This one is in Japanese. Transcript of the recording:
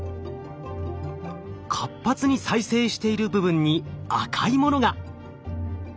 活発に再生している部分に赤いものが。